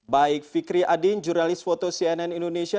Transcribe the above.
baik fikri adin jurnalis foto cnn indonesia